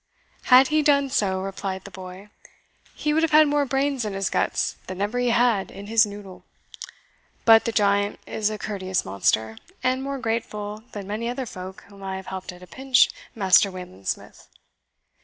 "Had he done so," replied the boy, "he would have had more brains in his guts than ever he had in his noddle. But the giant is a courteous monster, and more grateful than many other folk whom I have helped at a pinch, Master Wayland Smith."